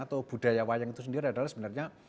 atau budaya wayang itu sendiri adalah sebenarnya